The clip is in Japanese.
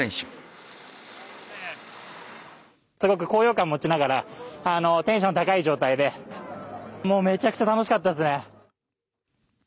すごく高揚感を持ちながらテンション高い状態でもう、めちゃくちゃ楽しかったですね。